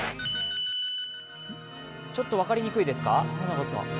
ちょっと分かりにくいですか？